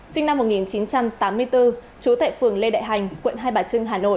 sinh năm một nghìn chín trăm tám mươi bốn trú tại phường lê đại hành quận hai bà trưng hà nội